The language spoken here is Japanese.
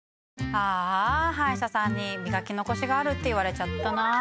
ああ歯医者さんに磨き残しがあるって言われちゃったな。